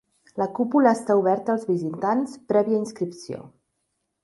La cúpula està oberta als visitants prèvia inscripció.